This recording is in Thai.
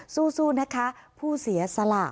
สู้นะคะผู้เสียสละ